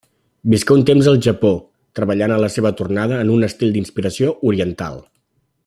Visqué un temps al Japó, treballant a la seva tornada en un estil d'inspiració oriental.